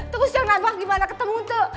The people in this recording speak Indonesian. terus yang nembak gimana ketemu tuh